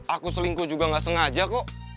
aku selingkuh juga nggak sengaja kok